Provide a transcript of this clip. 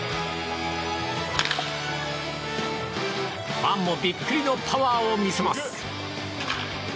ファンもビックリのパワーを見せます。